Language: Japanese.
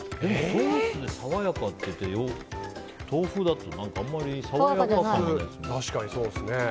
ソースで爽やかだから豆腐だとあんまり爽やか感がないですよね。